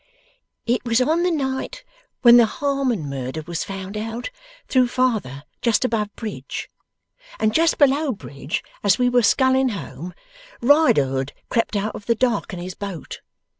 'It was on the night when the Harmon murder was found out, through father, just above bridge. And just below bridge, as we were sculling home, Riderhood crept out of the dark in his boat.